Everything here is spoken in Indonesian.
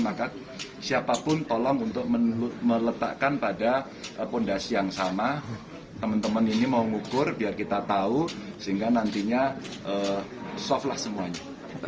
maka siapapun tolong untuk meletakkan pada fondasi yang sama teman teman ini mau ngukur biar kita tahu sehingga nantinya soft lah semuanya